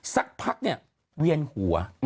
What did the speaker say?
สักพักเนี่ยเวียนหัว